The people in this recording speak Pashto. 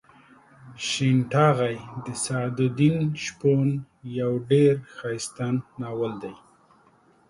شین ټاغۍ د سعد الدین شپون یو ډېر ښایسته ناول دی.